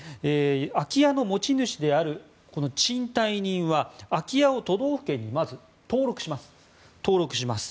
空き家の持ち主である賃貸人は空き家を都道府県に登録します。